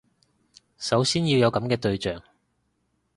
首先要有噉嘅對象